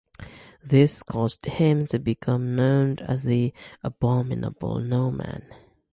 This caused him to become known as The Abominable No Man.